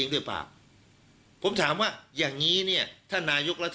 ด้วยปาก